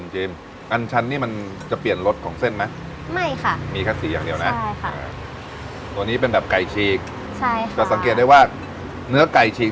ใช่มันก็จะให้มันแตกต่างกันอื้อค่ะเอาเอาเอาเอาชิมชิมชิมชิม